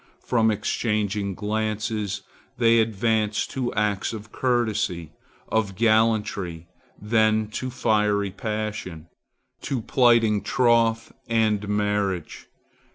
From exchanging glances, they advance to acts of courtesy, of gallantry, then to fiery passion, to plighting troth and marriage.